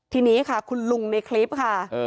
ทีนี้ค่ะคุณลุงในคลิปค่ะ